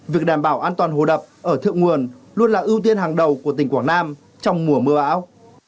việc đảm bảo an toàn hồ đập ở thượng nguồn luôn là ưu tiên hàng đầu của tỉnh quảng nam trong mùa mưa bão